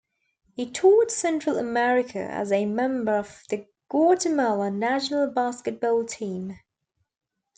He toured Central America as a member of the Guatemala national basketball team.